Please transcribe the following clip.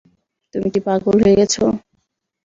তুমি কি পাগল হয়ে গেছো?